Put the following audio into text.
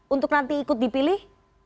untuk nanti ikut dipilih